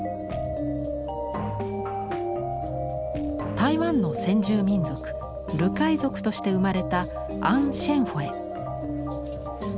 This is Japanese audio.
台湾の先住民族ルカイ族として生まれたアン・シェンホェ。